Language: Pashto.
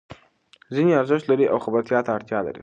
ځینې ارزښت لري او خبرتیا ته اړتیا لري.